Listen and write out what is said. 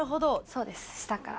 そうです下から。